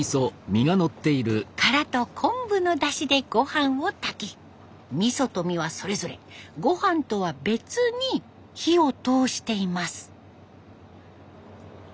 殻と昆布のだしで御飯を炊きみそと身はそれぞれ御飯とは別に火を通しています。